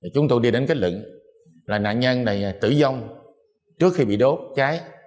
chúng tôi đi đến kết luận là nạn nhân này tử vong trước khi bị đốt cháy